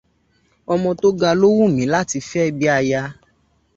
Ọmọ tó ga ló wù mí láti fẹ́ bí aya.